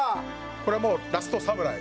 これはもう『ラストサムライ』。